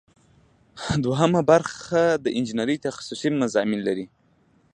دوهم برخه د انجنیری تخصصي مضامین دي.